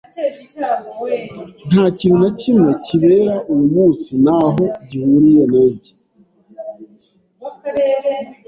Nta kintu na kimwe kibera uyu munsi ntaho gihuriye nanjye.